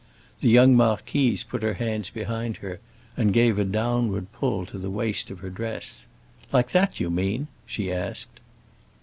The young marquise put her hands behind her and gave a downward pull to the waist of her dress. "Like that, you mean?" she asked.